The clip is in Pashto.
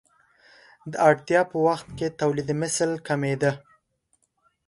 د اړتیا په وخت کې تولیدمثل کمېده.